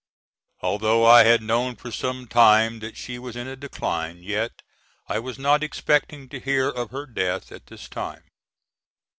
Although I had known for some time that she was in a decline, yet I was not expecting to bear of her death at this time.